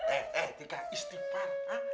eh eh tika istimbar ha